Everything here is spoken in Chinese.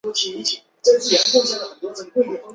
毛人凤随即派北平督察王蒲臣秘密侦查。